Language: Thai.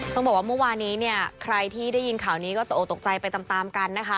ต้องบอกว่าเมื่อวานี้เนี่ยใครที่ได้ยินข่าวนี้ก็ตกตกใจไปตามตามกันนะคะ